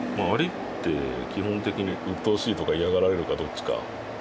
蟻って基本的にうっとうしいとか嫌がられるかどっちか。